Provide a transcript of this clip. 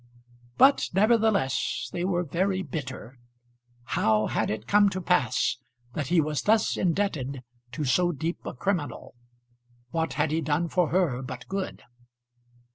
But nevertheless they were very bitter. How had it come to pass that he was thus indebted to so deep a criminal? What had he done for her but good?